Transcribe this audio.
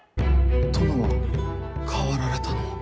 殿は変わられたのう。